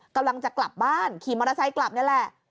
กำลังจะกลับบ้านขี่มอเตอร์ไซค์กลับนี่แหละ